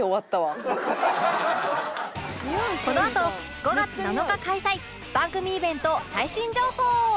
このあと５月７日開催番組イベント最新情報！